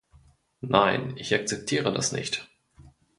Nein, ich akzeptiere das nicht.